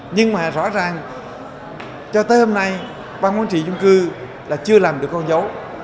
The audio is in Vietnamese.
nhưng mà rõ ràng cho tới hôm nay ban quản trị chung cư là chưa làm được con dấu